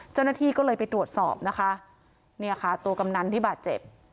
เจ้าหน้าที่ก็เลยไปตรวจสอบนะคะเนี่ยค่ะตัวกำนันที่บาดเจ็บ